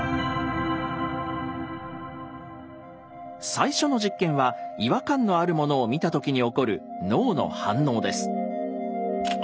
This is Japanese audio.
最初の実験は違和感のあるものを見た時に起こる脳の反応です。